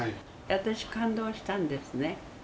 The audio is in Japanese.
私感動したんですね。